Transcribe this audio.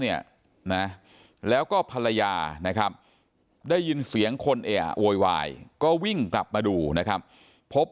เนี่ยนะแล้วก็ภรรยานะครับได้ยินเสียงคนเออโวยวายก็วิ่งกลับมาดูนะครับพบ